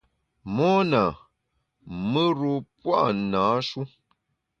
Mona, mùr-u pua’ nâ-shu.